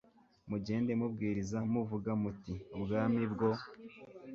mugende mubwiriza muvuga muti ubwami bwo